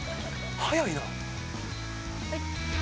早いな。